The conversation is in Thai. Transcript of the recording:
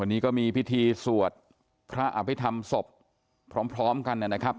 วันนี้ก็มีพิธีสวดพระอภิษฐรรมศพพร้อมกันนะครับ